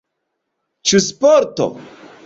Ĉu sporto?